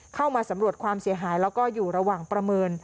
เข้ามาสำรวจความเสียหายแล้วก็อยู่ระหว่างประเมิน